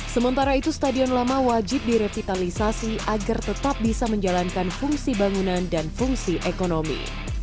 sementara itu stadion lama wajib direvitalisasi agar tetap bisa menjalankan fungsi bangunan dan fungsi ekonomi